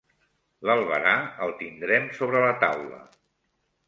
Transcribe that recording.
L'albarà el tindrem sobre la taula.